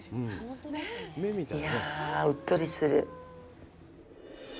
いや、うっとりする。